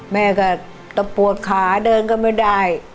แม่ก็ต้องปวดขาเดินก็ไม่ได้